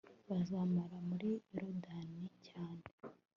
bazamara muri yorudani cyane